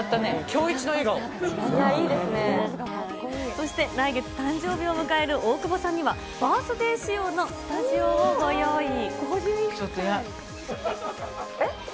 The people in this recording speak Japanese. そして、来月、誕生日を迎える大久保さんには、バースデー仕様のスタジオちょっと。